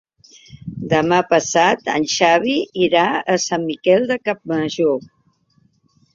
Demà passat en Xavi irà a Sant Miquel de Campmajor.